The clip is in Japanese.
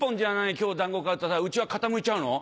今日団子買うとさうちは傾いちゃうの？